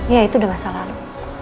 ya itu di masa lalu